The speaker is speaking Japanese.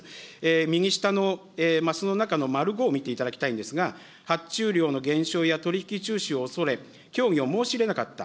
右下のますの中のまる５を見ていただきたいんですが、発注量の減少や取り引き中止を恐れ、協議を申し入れなかった。